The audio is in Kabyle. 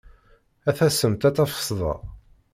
A tassemt a tafesda.